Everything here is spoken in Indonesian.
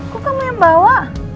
kok kamu yang bawa